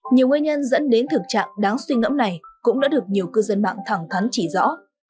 nhiều nguyên nhân dẫn đến thực trạng đáng suy ngẫm này cũng đã được nhiều cư dân mạng thẳng thắn chỉ rõ